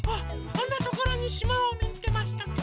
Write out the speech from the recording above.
あんなところにしまをみつけました。